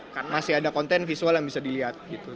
karena masih ada konten visual yang bisa dilihat gitu